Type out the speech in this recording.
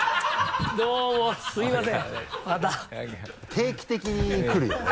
定期的に来るよね。